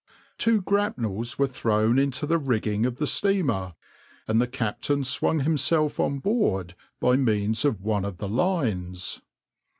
Two grapnels were thrown into the rigging of the steamer, and the captain swung himself on board by means of one of the lines.